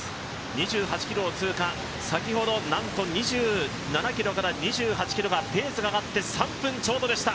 ２８ｋｍを通過、先ほどなんと２７ｋｍから２８ｋｍがペースが上がって３分ちょうどでした。